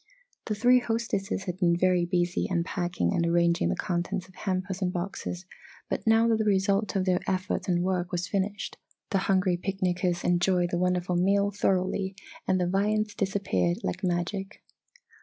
The three hostesses had been very busy unpacking and arranging the contents of hampers and boxes but now that the result of their efforts and work was finished the hungry picnicers enjoyed the wonderful meal thoroughly and the viands disappeared like magic.